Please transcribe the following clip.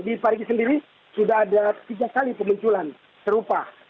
di parigi sendiri sudah ada tiga kali kemunculan serupa